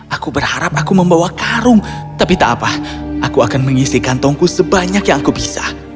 aku berharap aku membawa karung tapi tak apa aku akan mengisi kantongku sebanyak yang aku bisa